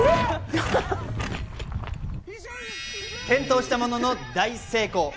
転倒したものの大成功。